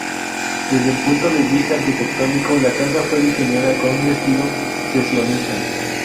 Desde el punto de vista arquitectónico, la casa fue diseñada con un estilo secesionista.